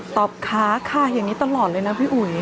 ค้าค่ะอย่างนี้ตลอดเลยนะพี่อุ๋ย